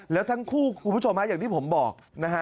แล้วทั้งคู่คุณผู้ชมอย่างที่ผมบอกนะฮะ